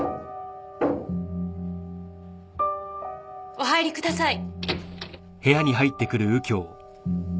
お入りください。